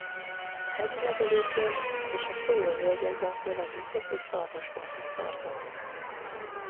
A hegyi legelőkön és a folyóvölgyekben főleg juhot és szarvasmarhát tartanak.